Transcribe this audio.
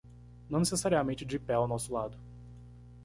Não necessariamente de pé ao nosso lado